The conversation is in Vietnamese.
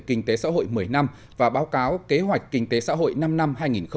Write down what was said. kinh tế xã hội một mươi năm và báo cáo kế hoạch kinh tế xã hội năm năm hai nghìn hai mươi một hai nghìn ba mươi